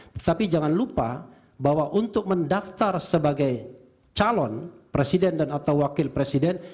tetapi jangan lupa bahwa untuk mendaftar sebagai calon presiden dan atau wakil presiden